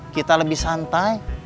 kita lebih santai